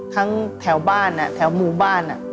ทั้งแถวบ้านแถวหมู่บ้าน